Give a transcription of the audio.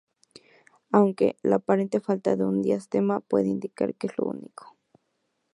Aunque, la aparente falta de un diastema puede indicar que es único.